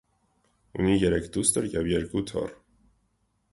Ունի երեք դուստր և երկու թոռ։